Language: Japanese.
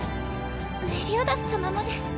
メリオダス様もです。